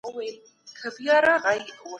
هغه د پخوانیو هڅو درناوی کوي.